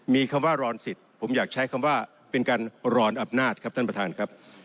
มีคำว่ารอนสิทธิ์ผมอยากใช้คำว่าเป็นการรอนอำนาจครับท่านประธานครับ